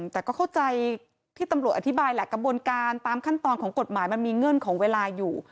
แต่ก็เข้าใจที่ตำรวจอธิบายแหละกระบวนการตามขั้นตอนของกฎหมายมันมีเงื่อนของเวลาอยู่